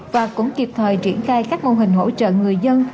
và cũng kịp thời triển khai các mô hình hỗ trợ người dân